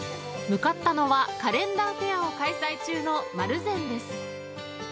向かったのはカレンダーフェアを開催中の丸善です。